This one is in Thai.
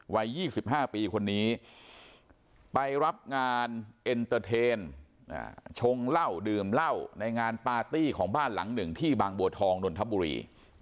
วัย๒๕ปีคนนี้ไปรับงานเอ็นเตอร์เทนชงเหล้าดื่มเหล้าในงานปาร์ตี้ของบ้านหลังหนึ่งที่บางบัวทองนนทบุรี